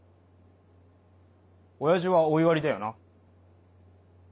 親父はお湯割りだよな？